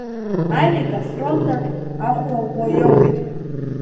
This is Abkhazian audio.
Алик афрон-таҿ ахәра ӷәӷәа иоуит.